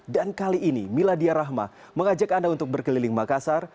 dan kali ini miladia rahma mengajak anda untuk berkeliling makassar